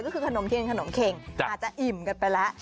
ก็คือขนมเทียนขนมเข็งอาจจะอิ่มกันไปแล้ว